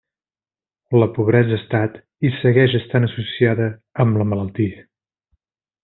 La pobresa ha estat i segueix estant associada amb la malaltia.